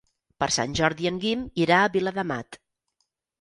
Per Sant Jordi en Guim irà a Viladamat.